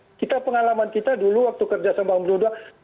jadi kita pengalaman kita dulu waktu kerja sama umbro dua